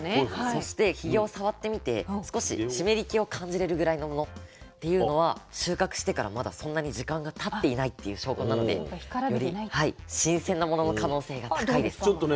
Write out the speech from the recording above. そしてひげを触ってみて少し湿り気を感じれるぐらいのものっていうのは収穫してからまだそんなに時間がたっていないっていう証拠なのでより新鮮なものの可能性が高いです。